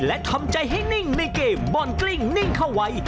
และทำใจให้นิ่งในเกมบอลกลิ้งนิ่งเข้าไว้